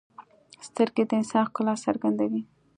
سترګې د انسان ښکلا څرګندوي